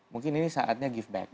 mungkin ini saatnya give back